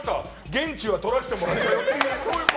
言質はとらせてもらったよ。